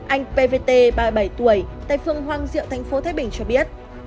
anh pvt ba mươi bảy tuổi tại phương hoàng diệu tp thái bình cho biết